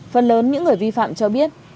phần lớn những người vi phạm cho biết